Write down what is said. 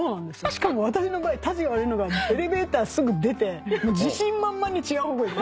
しかも私の場合たちが悪いのがエレベーターすぐ出て自信満々に違う方向行く。